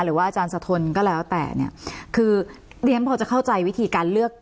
อาจารย์สะทนก็แล้วแต่เนี่ยคือเรียนพอจะเข้าใจวิธีการเลือก